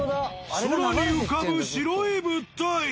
空に浮かぶ白い物体。